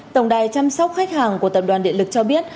tổng đài chăm sóc khách hàng của tập đoàn điện lực cho biết